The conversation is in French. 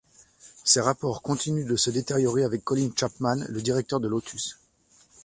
Ses rapports continuent de se détériorer avec Colin Chapman, le directeur de Lotus.